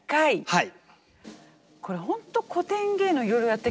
はい。